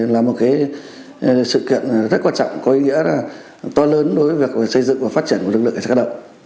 là một sự kiện rất quan trọng có ý nghĩa to lớn đối với việc xây dựng và phát triển của lực lượng cảnh sát cơ động